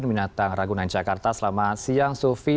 selamat datang ragunan jakarta selamat siang sofi